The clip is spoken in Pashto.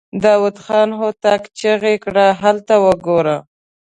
داوود خان هوتک چيغه کړه! هلته وګورئ!